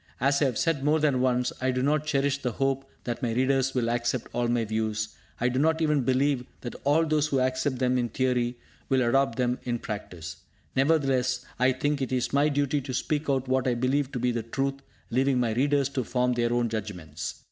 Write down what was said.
As I have said more than once, I do not cherish the hope that my readers will accept all my views; I do not even believe that all those who accept them in theory will adopt them in practice. Nevertheless, I think it my duty to speak out what I believe to be the truth, leaving my readers to form their own judgments.